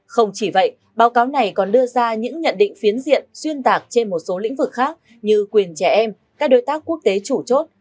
không chỉ vậy báo cáo này còn đưa ra những nhận định phiến diện xuyên tạc trên một số lĩnh vực khác như quyền trẻ em các đối tác quốc tế chủ chốt